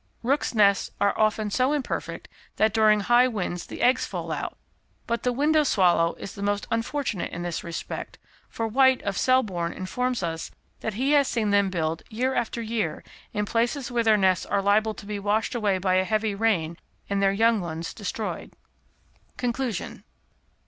Rooks' nests are often so imperfect that during high winds the eggs fall out; but the Window Swallow is the most unfortunate in this respect, for White, of Selborne, informs us that he has seen them build, year after year, in places where their nests are liable to be washed away by a heavy rain and their young ones destroyed. _Conclusion.